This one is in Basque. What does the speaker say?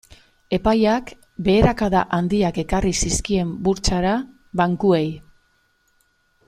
Epaiak beherakada handiak ekarri zizkien burtsara bankuei.